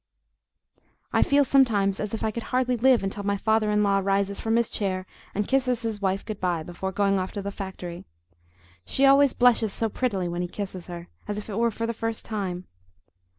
I feel sometimes as if I could hardly live until my father in law rises from his chair and kisses his wife good bye before going off to the factory. She always blushes so prettily when he kisses her as if it were for the first time.